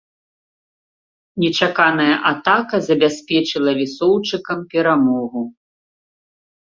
Нечаканая атака забяспечыла лісоўчыкам перамогу.